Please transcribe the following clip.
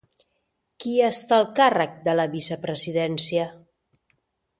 Qui està al càrrec de la vicepresidència?